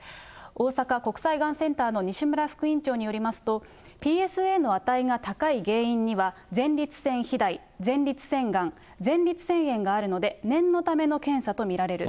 大阪国際がんセンターの西村副院長によりますと、ＰＳＡの値が高い原因には前立腺肥大、前立腺がん、前立腺炎があるので、念のための検査と見られる。